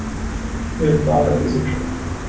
We've got a visitor!